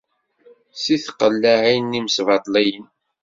Si tqellaɛin n imesbaṭliyen.